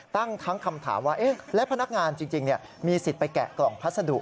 ตั้งทั้งคำถามว่าและพนักงานจริงมีสิทธิ์ไปแกะกล่องพัสดุ